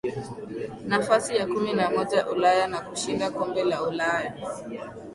Nafasi ya kumi na moja Ulaya na kushinda kombe la Ulaya